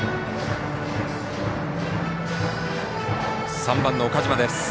３番の岡島です。